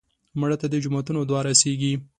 مړه ته د جوماتونو دعا رسېږي